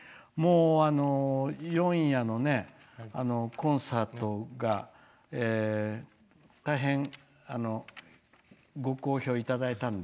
四夜のコンサートが大変、ご好評いただいたので。